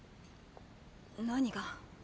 何が？